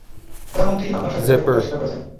প্রধানমন্ত্রী আপনার সাথে দেখা করতে অস্বীকার করেছেন।